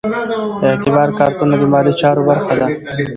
اعتبار کارتونه د مالي چارو برخه ده.